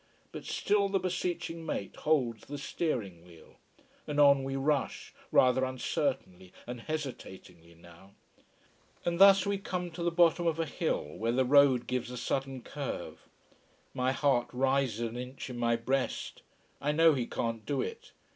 But still the beseeching mate holds the steering wheel. And on we rush, rather uncertainly and hesitatingly now. And thus we come to the bottom of a hill where the road gives a sudden curve. My heart rises an inch in my breast. I know he can't do it.